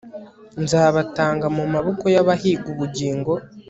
nzabatanga mu maboko y abahiga ubugingo